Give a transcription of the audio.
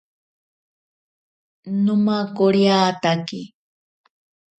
Nomakoriatake.